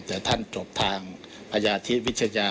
แต่ท่านจบทางพญาธิวิทยา